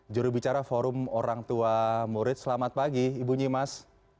jurubicara forum orang tua murid selamat pagi ibu nyimas